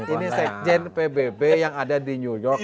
ini sekjen pbb yang ada di new york